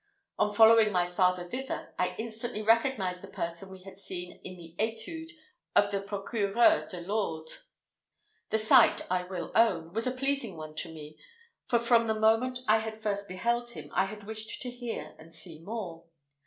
On following my father thither, I instantly recognised the person we had seen in the étude of the procureur at Lourdes. The sight, I will own, was a pleasing one to me, for from the moment I had first beheld him I had wished to hear and see more.